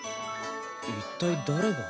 一体誰が？